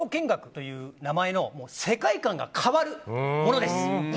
こちらはもはや工場見学という名前の世界観が変わるものです。